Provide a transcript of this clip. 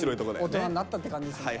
大人になったって感じですね。